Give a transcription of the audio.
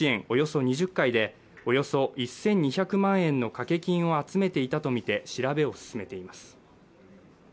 およそ２０回でおよそ１２００万円の掛け金を集めていたとみて調べを進めています